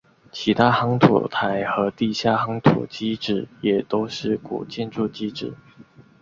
其他夯土台和地下夯土基址也都是古建筑基址。